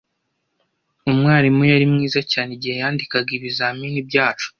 Umwarimu yari mwiza cyane igihe yandikaga ibizamini byacu.